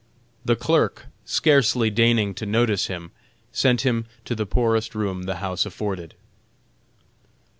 The clerk scarcely deigning to notice him, sent him to the poorest room the house afforded.